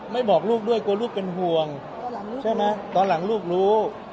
บอกลูกด้วยกลัวลูกเป็นห่วงใช่ไหมตอนหลังลูกรู้